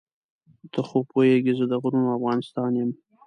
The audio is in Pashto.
ته خو پوهېږې زه د غرونو افغانستان یم.